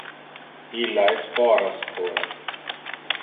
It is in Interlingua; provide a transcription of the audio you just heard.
Illa es foras ora.